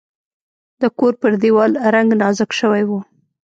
د کور پر دیوال رنګ نازک شوی و.